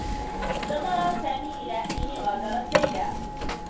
انتظر سامي إلى حين غادرت ليلى.